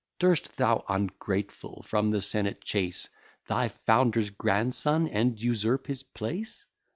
Durst thou, ungrateful, from the senate chase Thy founder's grandson, and usurp his place?